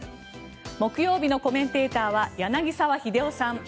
木曜日のコメンテーターは柳澤秀夫さん。